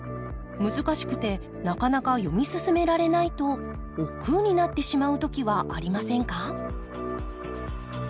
難しくてなかなか読み進められないとおっくうになってしまう時はありませんか？